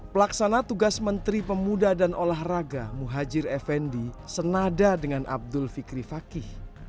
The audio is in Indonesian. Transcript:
pelaksana tugas menteri pemuda dan olahraga muhajir effendi senada dengan abdul fikri fakih